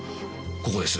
ここです。